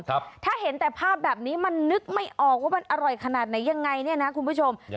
ถ้าเห็นแต่ภาพแบบนี้มันนึกไม่ออกว่ามันอร่อยขนาดไหนยังไงเนี่ยนะคุณผู้ชม